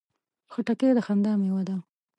خټکی د خندا مېوه ده.